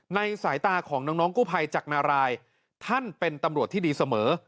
สายตาของน้องกู้ภัยจากนารายท่านเป็นตำรวจที่ดีเสมอ